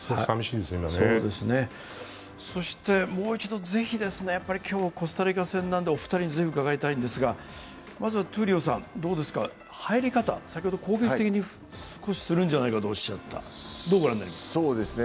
そしてもう一度、ぜひ今日、コスタリカ戦なのでお二人にぜひ伺いたいのですがまずは入り方、先ほど攻撃的に少しするんじゃないかとおっしゃっていましたが、どうですか？